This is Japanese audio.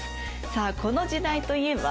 さあこの時代といえば？